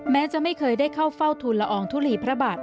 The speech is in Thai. แม้จะไม่เคยได้เข้าเฝ้าทุนละอองทุลีพระบาท